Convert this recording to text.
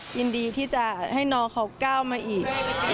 ยินดีที่จะให้น้องเขาก้าวมาอีก